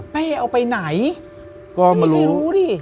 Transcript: เป๊ย์เอาไปไหนไม่มีใครรู้ดิ